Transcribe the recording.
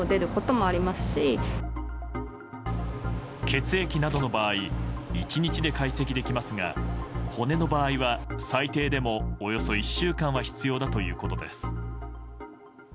血液などの場合１日で解析できますが骨の場合は最低でもおよそ１週間は必要だということです。